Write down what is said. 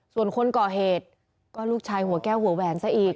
ส่วนคนก่อเหตุก็ลูกชายหัวแก้วหัวแหวนซะอีก